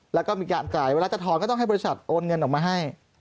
แล้วก็มีการจ่ายเวลาจะถอนก็ต้องให้บริษัทโอนเงินออกมาให้